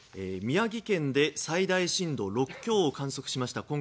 宮城県で最大震度６強を観測しました